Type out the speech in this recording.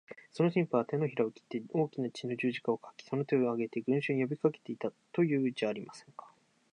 その神父は、てのひらを切って大きな血の十字架を書き、その手を上げて、群集に呼びかけていた、というじゃありませんか。